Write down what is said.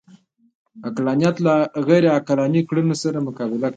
عقلانیت له غیرعقلاني کړنو سره مقابله کوي